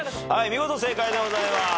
見事正解でございます。